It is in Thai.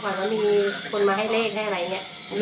หลังจากไม่มีคนมาให้เลขหลายอย่าง